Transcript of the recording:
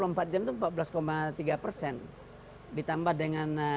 ditambah dengan janset perkecamatan itu hanya berapa jam setiap malam